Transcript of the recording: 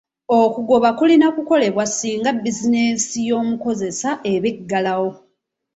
Okugoba kulina kukolebwa singa bizinensi y'omukozesa eba eggalawo.